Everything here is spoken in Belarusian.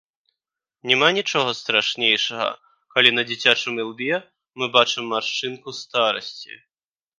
Няма нічога страшнейшага, калі на дзіцячым ілбе мы бачым маршчыну старасці.